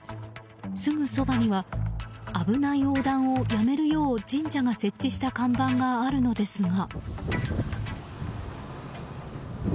すぐそばには危ない横断をやめるよう神社が設置した看板があるのですが。